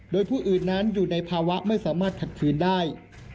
โดยผู้อื่นนั้นอยู่ในภาวะไม่สามารถขัดขืนได้